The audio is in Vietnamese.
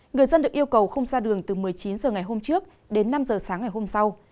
người dân được yêu cầu không ra đường từ một mươi chín h ngày hôm trước đến năm h sáng ngày hôm sau